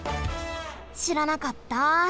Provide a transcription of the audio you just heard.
しらなかった！